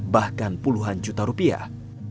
bahkan puluhan juta rupiah